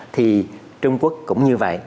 thì trung quốc cũng như vậy